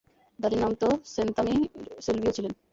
দাদির নাম তো সেন্তামিড়সেলভিও ছিল না।